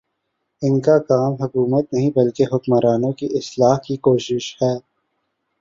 ان کا کام حکومت نہیں، بلکہ حکمرانوں کی اصلاح کی کوشش ہے